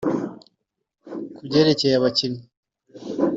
Ku byerekeye abakinnyi